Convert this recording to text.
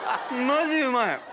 マジうまい。